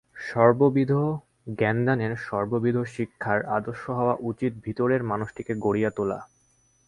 সর্ববিধ জ্ঞানদানের, সর্ববিধ শিক্ষার আদর্শ হওয়া উচিত ভিতরের মানুষটিকে গড়িয়া তোলা।